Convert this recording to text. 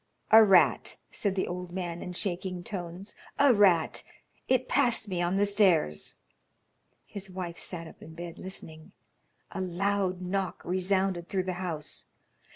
"A rat," said the old man in shaking tones "a rat. It passed me on the stairs." His wife sat up in bed listening. A loud knock resounded through the house.